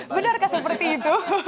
benarkah seperti itu